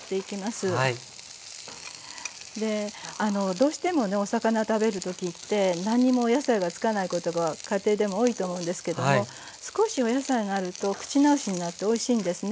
どうしてもねお魚食べるときって何にもお野菜がつかないことが家庭でも多いと思うんですけども少しお野菜があると口直しになっておいしいんですね。